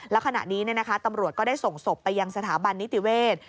แล้วขณะนี้ตำรวจก็ได้ส่งศพไปยังสถาบันนิติเวศ